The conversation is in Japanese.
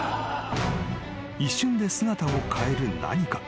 ［一瞬で姿を変える何か。